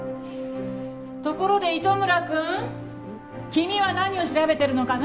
ところで糸村くん君は何を調べてるのかな？